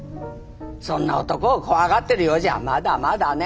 そんな男を怖がってるようじゃまだまだね。